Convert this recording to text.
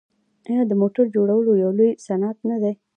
آیا د موټرو جوړول یو لوی صنعت نه دی؟